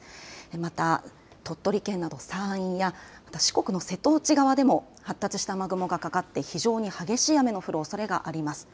また鳥取県など山陰や四国の瀬戸内側でも発達した雨雲がかかって非常に激しい雨の降るおそれがあります。